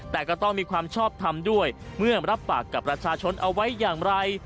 แต่ก็ต้องมีความชอบทำด้วยเมื่อรับปากกับประชาชนเอาไว้อย่างไร